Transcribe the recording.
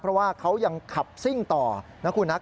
เพราะว่าเขายังขับซิ่งต่อนะคุณนะ